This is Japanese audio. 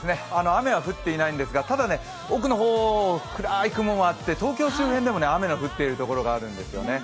雨は降っていないんですがただ奥の方、暗い雲があって東京周辺でも雨が降っている所があるんですよね。